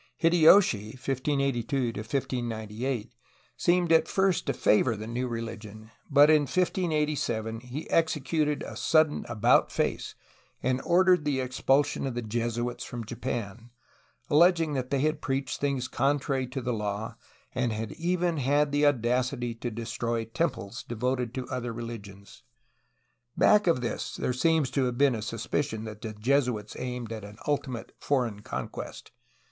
THE JAPANESE OPPORTUNITY IN THE PACIFIC 39 Hideyoshi (1582 1598) seemed at first to favor the new relig ion, but in 1587 he executed a sudden about face, and or dered the expulsion of the Jesuits from Japan, alleging that they had preached things contrary to the law and had "even had the audacity to destroy temples" devoted to other relig ions. Back of this there seems to have been a suspicion that the Jesuits aimed at an ultimate foreign conquest.